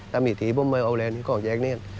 ทำอิทธิผมมาเอาแรงกล้องแจ๊กนี่